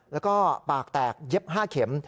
แล้วก็ปากแตกเย็บ๕เข็ม